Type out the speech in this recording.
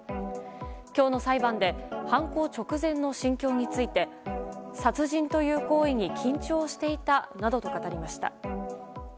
今日の裁判で犯行直前の心境について殺人という行為に緊張していたなどと語りました。